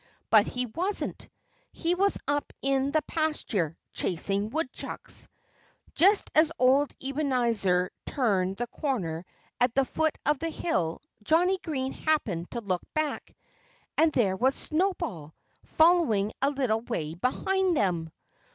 But he wasn't. He was up in the pasture, chasing woodchucks. Just as old Ebenezer turned the corner at the foot of the hill Johnnie Green happened to look back. And there was Snowball, following a little way behind them!